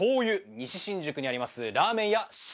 西新宿にあります。